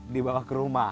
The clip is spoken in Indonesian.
dibawa ke rumah